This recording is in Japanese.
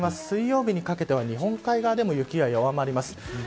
水曜日にかけては日本海側でも雪が弱まります。